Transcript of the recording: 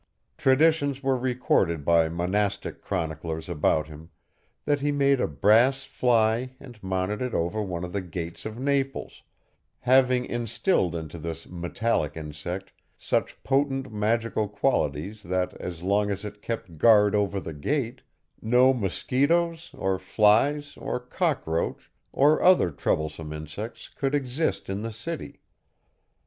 Traditions were recorded by monastic chroniclers about him, that he made a brass fly and mounted it over one of the gates of Naples, having instilled into this metallic insect such potent magical qualities that as long as it kept guard over the gate, no musquitos, or flies, or cockroach, or other troublesome insects could exist in the city.